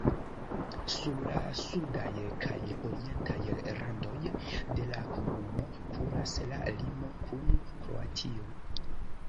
Sur la sudaj kaj orientaj randoj de la komunumo kuras la limo kun Kroatio.